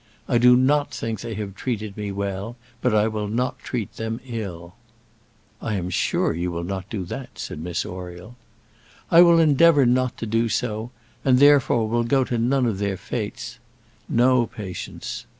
I do not think they have treated me well, but I will not treat them ill." "I am sure you will not do that," said Miss Oriel. "I will endeavour not to do so; and, therefore, will go to none of their fêtes! No, Patience."